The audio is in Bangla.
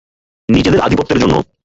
নিজেদের আধিপত্যের জন্য।